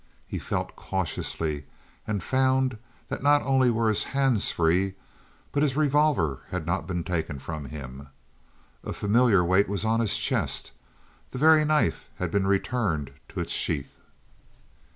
He felt cautiously and found that not only were his hands free, but his revolver had not been taken from him. A familiar weight was on his chest the very knife had been returned to its sheath.